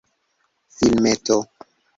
filmeto